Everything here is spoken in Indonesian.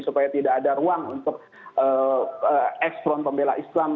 supaya tidak ada ruang untuk ex front pembela islam